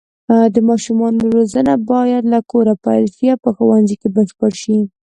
د ماشومانو روزنه باید له کوره پیل شي او په ښوونځي کې بشپړه شي.